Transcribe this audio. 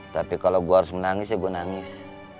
tapi kalau gue harus menangis ya gue nangis